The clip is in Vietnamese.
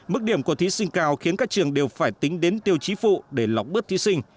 mức điểm của thí sinh cao khiến các trường đều phải tính đến tiêu chí phụ để lọc bớt thí sinh